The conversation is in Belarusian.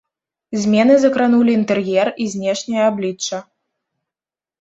Змены закранулі інтэр'ер і знешняе аблічча.